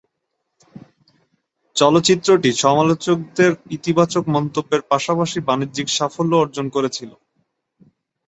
চলচ্চিত্রটি সমালোচকদের ইতিবাচক মন্তব্যের পাশাপাশি বাণিজ্যিক সাফল্য অর্জন করেছিল।